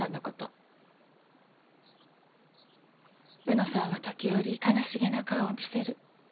卯之さんは時折悲しげな顔を見せる。